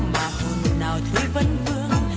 mà hồn nào thôi vẫn vương